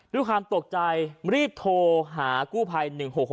ด้วยความตกใจรีบโทรหากู้ภัย๑๖๖